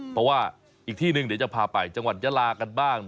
เพราะว่าอีกที่หนึ่งเดี๋ยวจะพาไปจังหวัดยาลากันบ้าง